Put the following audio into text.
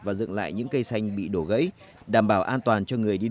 và dựng lại những cây xanh bị đổ gãy đảm bảo an toàn cho người đi